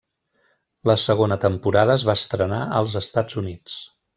La segona temporada es va estrenar als Estats Units.